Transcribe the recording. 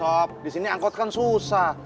sorry sob disini angkot kan susah